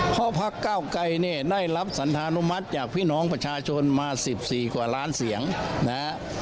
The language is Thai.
เพราะพักเก้าไกรเนี่ยได้รับสันธานุมัติจากพี่น้องประชาชนมา๑๔กว่าล้านเสียงนะฮะ